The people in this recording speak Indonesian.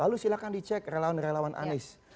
lalu silakan dicek relawan relawan anies